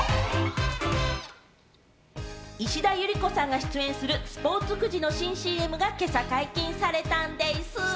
石田ゆり子さんが出演するスポーツくじの新ＣＭが今朝、解禁されたんでぃす！